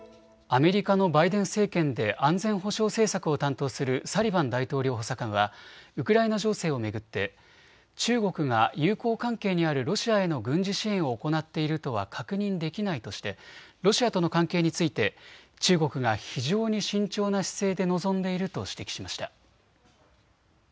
アメリカのバイデン政権で安全保障政策を担当するサリバン大統領補佐官はウクライナ情勢を巡って中国が友好関係にあるロシアへの軍事支援を行っているとは確認できないとしてロシアとの関係について中国が非常に慎重な姿勢で臨んでいると指摘しました。